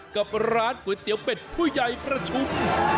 กับร้านก๋วยเตี๋ยวเป็ดผู้ใหญ่ประชุม